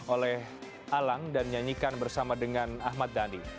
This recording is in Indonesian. oleh alang dan nyanyikan bersama dengan ahmad dhani